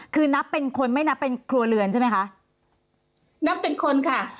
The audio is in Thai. คือนับเป็นคนไม่นับเป็นครัวเรือนใช่ไหมคะนับเป็นคนค่ะ